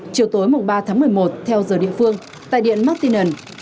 chiều tối ba tháng một mươi một theo giờ địa phương tại điện martignan